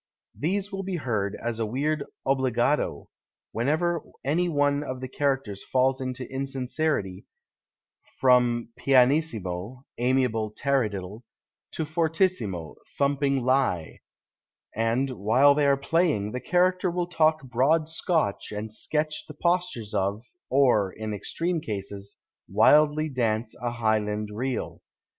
These will be heard as a weird obbligato, whenever any one of the characters falls into insincerity, from pp (amiable taradiddle) to ff (thumping lie), and, while they are playing, the character will talk broad Scotch and sketch the postures of or, in extreme cases, wildly dance a Highland Reel.